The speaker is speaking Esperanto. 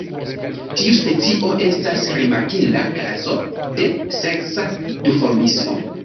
Tiu specio estas rimarkinda kazo de seksa duformismo.